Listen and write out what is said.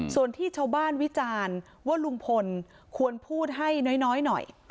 ส่วนที่ชาวบ้านวิจารณ์ว่าลุงพลควรพูดให้น้อยหน่อย